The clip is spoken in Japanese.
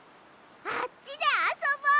あっちであそぼう！